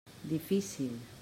Difícil.